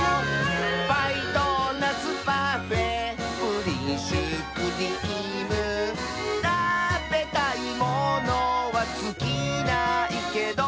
「パイドーナツパフェプリンシュークリーム」「たべたいものはつきないけど」